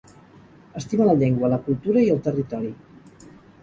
Estima la llengua, la cultura i el territori.